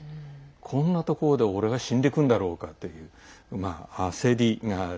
こんなところで俺は死んでいくんだろうかという焦りがある。